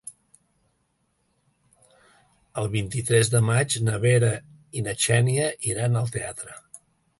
El vint-i-tres de maig na Vera i na Xènia iran al teatre.